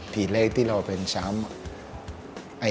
ทีแรกที่เราเป็นช้ำ